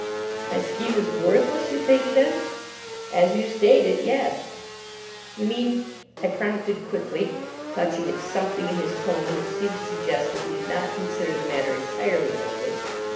"My scheme is worthless, you think, then?" "As you state it, yes." "You mean——?" I prompted quickly, clutching at something in his tone which seemed to suggest that he did not consider the matter entirely hopeless.